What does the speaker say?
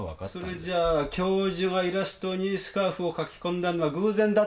それじゃ教授がイラストにスカーフを描き込んだのは偶然だったと？